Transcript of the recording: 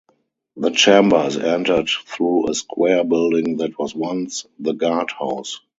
The chamber is entered through a square building that was once the guard-house.